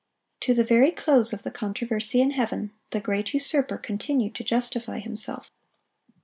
To the very close of the controversy in heaven, the great usurper continued to justify himself.